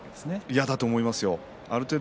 嫌だと思いますよ。